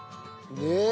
ねえ。